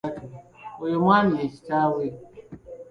Oyo omwami ye Kitaabwe.